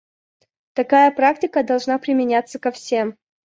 Такая практика должна применяться ко всем.